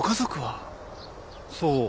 そう。